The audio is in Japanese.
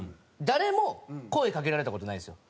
誰も声かけられた事ないんですよ。